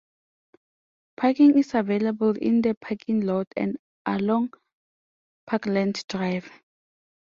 Parking is available in the parking lot and along Parkland Drive.